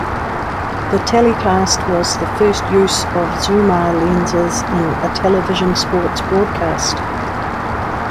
The telecast was the first use of Zoomar lenses in a television sports broadcast.